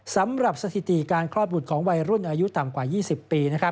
สำหรับสถิติการคลอดบุตรของวัยรุ่นอายุต่ำกว่า๒๐ปี